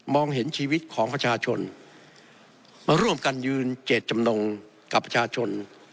เห็นชีวิตของประชาชนมาร่วมกันยืนเจตจำนงกับประชาชน